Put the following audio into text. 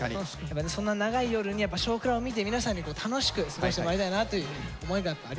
そんな長い夜に「少クラ」を見て皆さんに楽しく過ごしてもらいたいなという思いがやっぱあります。